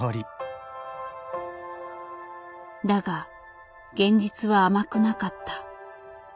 だが現実は甘くなかった。